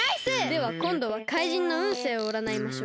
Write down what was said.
ではこんどはかいじんのうんせいをうらないましょう。